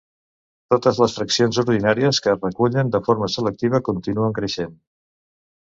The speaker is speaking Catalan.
Totes les fraccions ordinàries que es recullen de forma selectiva continuen creixent.